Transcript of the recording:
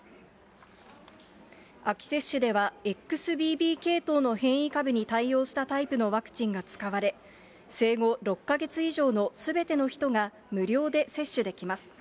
秋接種ではＸＢＢ．系統の変異株に対応したタイプのワクチンが使われ、生後６か月以上のすべての人が無料で接種できます。